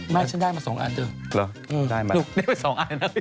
แม่ฉันได้มา๒อันชัน